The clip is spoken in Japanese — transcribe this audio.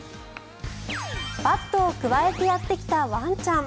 バットをくわえてやってきたワンちゃん。